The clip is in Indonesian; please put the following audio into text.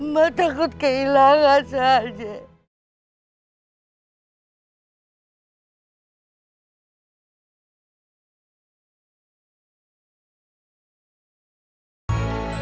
mata kut kehilangan sahaja